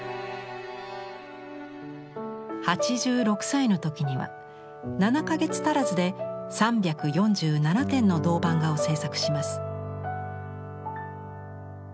８６歳の時には７か月足らずで３４７点の銅版画を制作します。